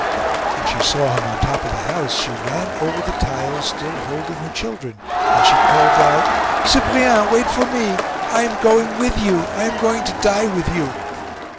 When she saw him on the top of the house she ran over the tiles, still holding her children. And she called out: "Cyprien, wait for me! I am going with you. I am going to die with you."